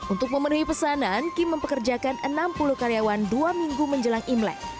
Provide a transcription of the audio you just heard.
untuk memenuhi pesanan kim mempekerjakan enam puluh karyawan dua minggu menjelang imlek